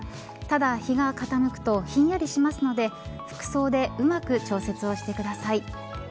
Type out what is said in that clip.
ただ、日が傾くとひんやりしますので服装でうまく調節をしてください。